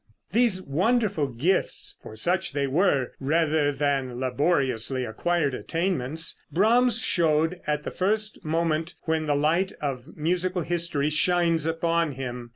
These wonderful gifts, for such they were rather than laboriously acquired attainments, Brahms showed at the first moment when the light of musical history shines upon him.